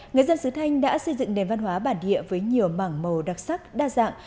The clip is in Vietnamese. người dân sứ thanh đã xây dựng nền văn hóa bản địa với nhiều mảng màu đặc sắc đa dạng